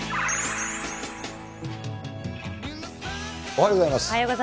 おはようございます。